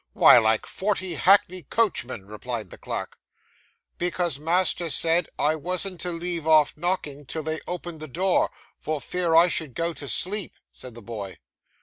'Why, like forty hackney coachmen,' replied the clerk. 'Because master said, I wasn't to leave off knocking till they opened the door, for fear I should go to sleep,' said the boy.